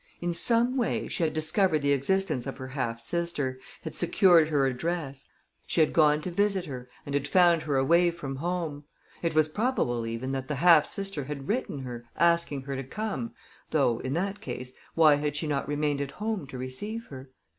In some way, she had discovered the existence of her half sister, had secured her address; she had gone to visit her and had found her away from home it was probable, even, that the half sister had written her, asking her to come though, in that case, why had she not remained at home to receive her?